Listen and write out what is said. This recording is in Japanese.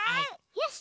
よし！